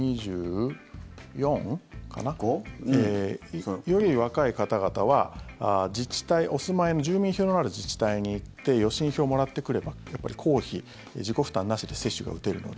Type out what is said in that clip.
それより若い方々は自治体お住まいの住民票のある自治体に行って予診票をもらってくれば公費、自己負担なしで接種が打てるので。